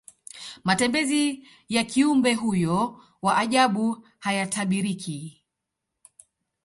matembezi ya kiumbe huyo wa ajabu hayatabiriki